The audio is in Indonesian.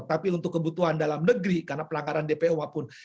tapi untuk kebutuhan dalam negeri karena pelanggaran dpo apapun